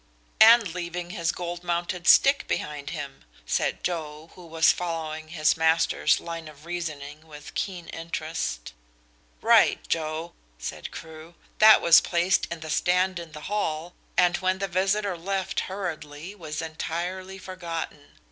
"And leaving his gold mounted stick behind him," said Joe, who was following his master's line of reasoning with keen interest. "Right, Joe," said Crewe. "That was placed in the stand in the hall, and when the visitor left hurriedly was entirely forgotten.